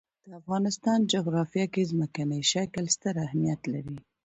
د افغانستان جغرافیه کې ځمکنی شکل ستر اهمیت لري.